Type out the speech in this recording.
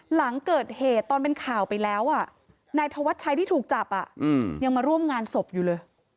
หลังเกิดเหตุตอนเป็นข่าวไปแล้วนายธวัชชัยที่ถูกจับยังมาร่วมงานศพอยู่เลย